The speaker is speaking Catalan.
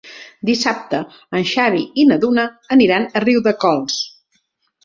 Dissabte en Xavi i na Duna aniran a Riudecols.